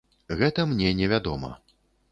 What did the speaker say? Гэта мне не вядома.